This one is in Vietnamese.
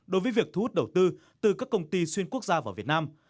đối với việc thu hút đầu tư từ các công ty xuyên quốc gia vào việt nam